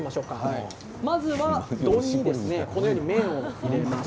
まずは麺を入れます。